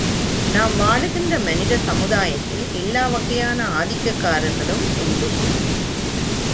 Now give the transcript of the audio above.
நாம் வாழுகிற மனித சமுதாயத்தில் எல்லாவகையான ஆதிக்கக் காரர்களும் உண்டு.